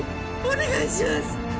お願いします！